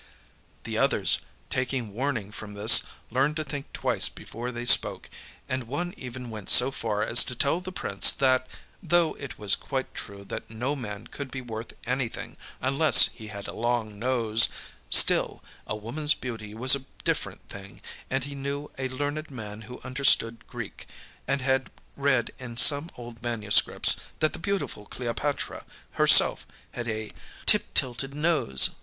The others, taking warning from this, learned to think twice before they spoke, and one even went so far as to tell the Prince that, though it was quite true that no man could be worth anything unless he had a long nose, still, a womanâs beauty was a different thing; and he knew a learned man who understood Greek and had read in some old manuscripts that the beautiful Cleopatra herself had a âtip tiltedâ nose!